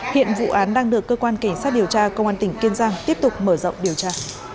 hiện vụ án đang được cơ quan cảnh sát điều tra công an tỉnh kiên giang tiếp tục mở rộng điều tra